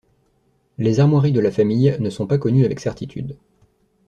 Les armoiries de la famille ne sont pas connues avec certitude.